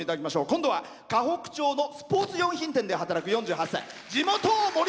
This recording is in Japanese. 今度は河北町のスポーツ品店で働く４８歳。